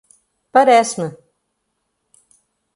Parece-me